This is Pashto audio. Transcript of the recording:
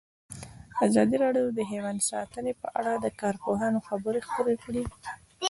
ازادي راډیو د حیوان ساتنه په اړه د کارپوهانو خبرې خپرې کړي.